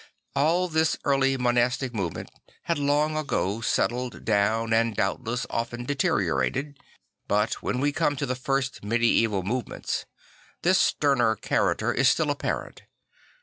All this early monastic movement had long ago settled down and doubtless often deteriorated; but when we come to the first medieval move ments this sterner character is still apparent.